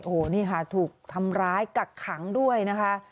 โอ้โหนี่ค่ะถูกทำร้ายกักขังด้วยนะคะ